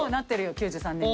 ９３年に。